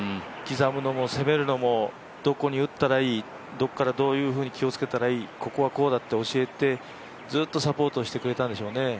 刻むのも攻めるのもどこに打ったらいい、どっからどういうふうに打って、気をつけたらいい、ここはこうだと教えて、ずっとサポートしてくれたんでしょうね。